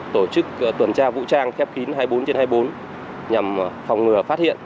tổ chức tuần tra vũ trang khép kín hai mươi bốn trên hai mươi bốn nhằm phòng ngừa phát hiện